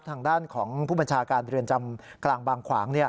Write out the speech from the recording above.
ทางด้านของผู้บัญชาการเรือนจำกลางบางขวาง